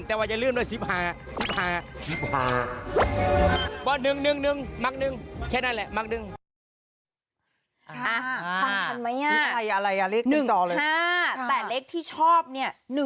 ๕๕แต่เลขที่ชอบเนี่ย๑๑